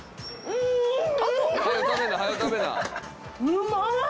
うまっ！